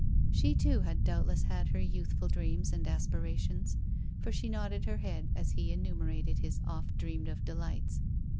She, too, had doubtless had her youthful dreams and aspirations, for she nodded her head as he enu merated his oft dreamed of delights.